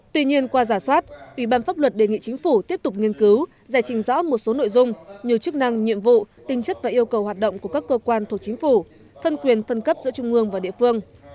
tuy nhiên qua giả soát ủy ban pháp luật đề nghị chính phủ tiếp tục nghiên cứu giải trình rõ một số nội dung như chức năng nhiệm vụ tinh chất và yêu cầu hoạt động của các cơ quan thuộc chính phủ phân quyền phân cấp giữa trung ương và địa phương